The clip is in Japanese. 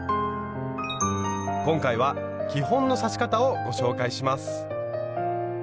今回は基本の刺し方をご紹介します。